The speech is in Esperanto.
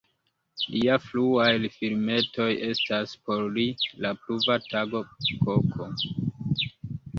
Liaj fruaj filmetoj estas: "Por li", "La pluva tago", "Koko".